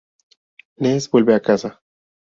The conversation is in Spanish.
Ness vuelve a casa.